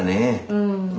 うん。